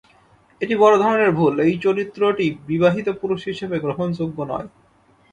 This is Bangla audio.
এটি বড় ধরনের ভুল, এই চরিত্রটি বিবাহিত পুরুষ হিসেবে গ্রহণযোগ্য নয়।